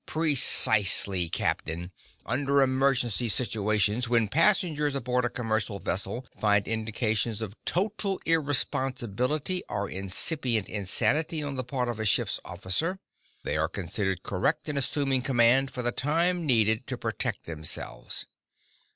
"Precisely, Captain. Under emergency situations, when passengers aboard a commercial vessel find indications of total irresponsibility or incipient insanity on the part of a ship's officer, they are considered correct in assuming command for the time needed to protect their lives.